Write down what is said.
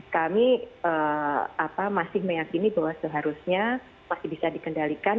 kami masih meyakini bahwa seharusnya masih bisa dikendalikan